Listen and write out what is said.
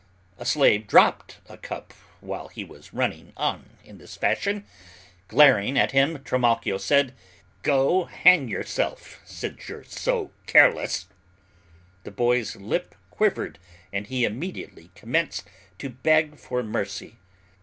A slave dropped a cup while he was running on in this fashion. Glaring at him, Trimalchio said, "Go hang yourself, since you're so careless." The boy's lip quivered and he immediately commenced to beg for mercy.